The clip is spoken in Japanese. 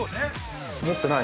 全然持ってない。